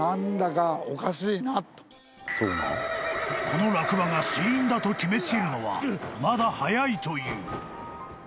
［この落馬が死因だと決め付けるのはまだ早いという］